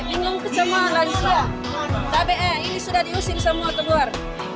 ini sudah diusir semua keluar